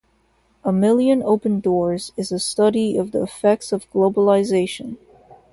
"A Million Open Doors" is a study of the effects of globalization.